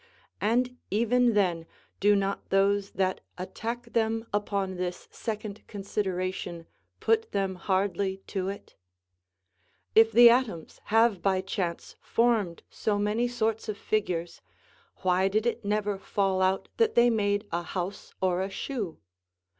And even then do not those that attack them upon this second consideration put them hardly to it? "If the atoms have by chance formed so many sorts of figures, why did it never fall out that they made a house or a shoe?